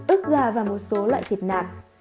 ba ước gà và một số loại thịt nạc